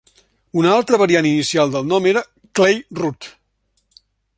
Un alta variant inicial del nom era "Clayroot".